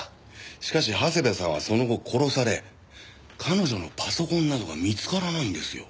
しかし長谷部さんはその後殺され彼女のパソコンなどが見つからないんですよ。